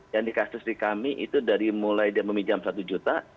yang di kasus di kami itu dari mulai dia meminjam satu juta